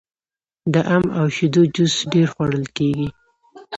د ام او شیدو جوس ډیر خوړل کیږي.